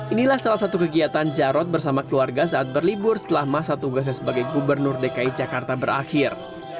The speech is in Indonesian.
inilah salah satu kegiatan jarod bersama keluarga saat berlibur setelah masa tugasnya sebagai gubernur dki jakarta berakhir